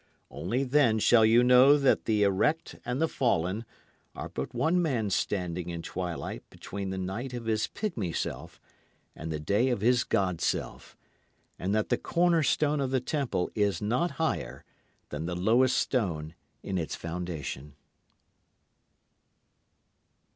Only then shall you know that the erect and the fallen are but one man standing in twilight between the night of his pigmy self and the day of his god self, And that the corner stone of the temple is not higher than the lowest stone in its foundation.